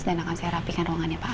dan akan saya rapihkan ruangannya pak